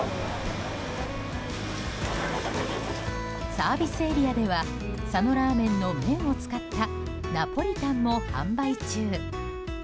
サービスエリアでは佐野らーめんの麺を使ったナポリタンも販売中。